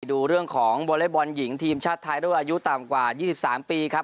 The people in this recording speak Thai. ดูเรื่องของวอเล็กบอลหญิงทีมชาติไทยรุ่นอายุต่ำกว่า๒๓ปีครับ